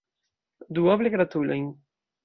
Duoble gratulojn!